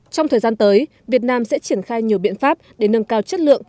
trong thời gian tới việt nam sẽ triển khai nhiều biện pháp để nâng cao chất lượng